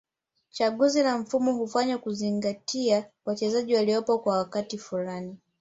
Chaguzi la mfumo hufanywa kuzingatia wachezaji waliopo kwa wakati fulani